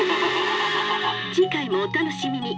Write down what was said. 「次回もお楽しみに」。